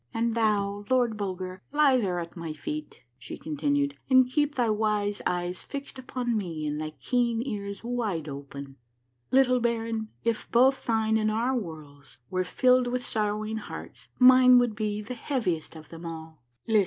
" And thou. Lord Bulger, lie there at my feet," she continued, " and keep thy wise eyes fixed upon me and thy keen ears wide open." " Little baron, if both thine and our worlds were filled with sorrowing hearts, mine would be the heaviest of them all. List !